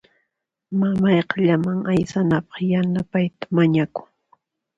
Mamayqa llaman aysanapaq yanapayta mañakun.